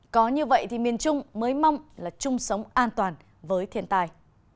có như vậy thì miền trung mới mong là chung sống an toàn với thiên tài